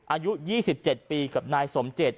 อายุ๒๗ปีกับนายสมเจต